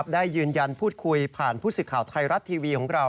ได้ยืนยันพูดคุยผ่านผู้สื่อข่าวไทยรัฐทีวีของเรา